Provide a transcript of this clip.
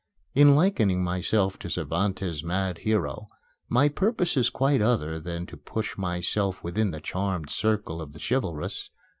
In likening myself to Cervantes' mad hero my purpose is quite other than to push myself within the charmed circle of the chivalrous.